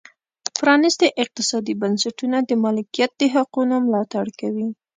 پرانیستي اقتصادي بنسټونه د مالکیت د حقونو ملاتړ کوي.